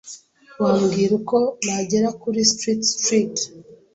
Wambwira uko nagera kuri Street Street?